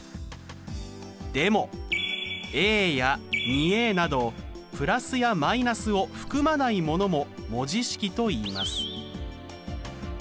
でもや２などプラスやマイナスを含まないものも文字式といいます。